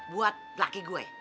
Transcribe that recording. buat laki gua